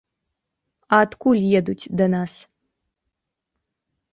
А адкуль едуць да нас?